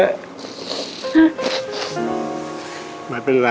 ถ้าเป็นแทนได้อยากจะเป็นเอง